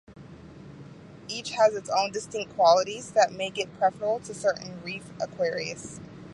Each has its own distinct qualities that make it preferable to certain reef aquarists.